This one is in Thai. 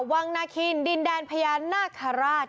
วังนาคินดินแดนพญานาคาราช